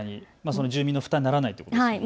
住民の負担にならないというところですよね。